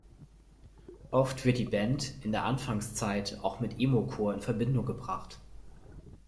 Oft wird die Band in der Anfangszeit auch mit Emocore in Verbindung gebracht.